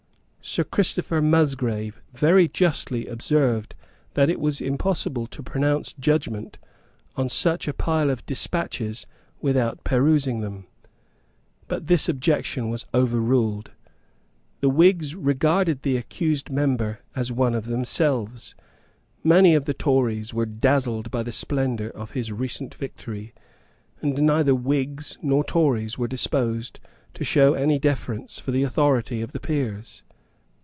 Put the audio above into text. Sir Christopher Musgrave very justly observed that it was impossible to pronounce judgment on such a pile of despatches without perusing them; but this objection was overruled. The Whigs regarded the accused member as one of themselves; many of the Tories were dazzled by the splendour of his recent victory; and neither Whigs nor Tories were disposed to show any deference for the authority of the Peers.